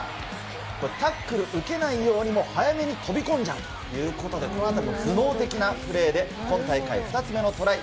これタックル受けないように、早めに飛び込んじゃうということで、このあたり、頭脳的なプレーで、今大会２つ目のトライ。